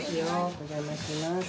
お邪魔します。